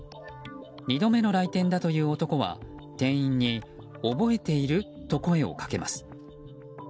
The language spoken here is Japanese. ２度目の来店だという男は店員に覚えている？と声をかけます。